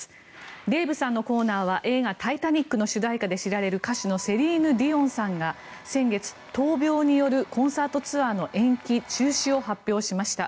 デーブさんのコーナーは映画「タイタニック」の主題歌で知られる歌手のセリーヌ・ディオンさんが先月、闘病によるコンサートツアーの延期・中止を発表しました。